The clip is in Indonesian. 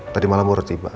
tadi malam udah tiba